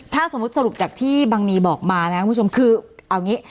ถ้าสมมุติสรุปจากที่บังนีบอกมานะก็คือเอางี้